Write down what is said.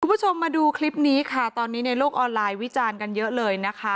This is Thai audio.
คุณผู้ชมมาดูคลิปนี้ค่ะตอนนี้ในโลกออนไลน์วิจารณ์กันเยอะเลยนะคะ